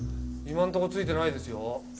今んとこついてないですよ。